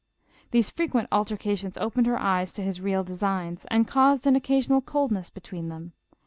These frequent altercations opened her eyes to his real designs, and caused an oc casional coldness between them.